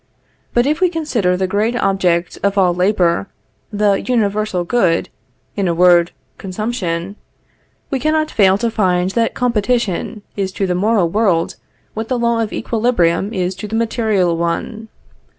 But if we consider the great object of all labor, the universal good, in a word, Consumption, we cannot fail to find that Competition is to the moral world what the law of equilibrium is to the material one.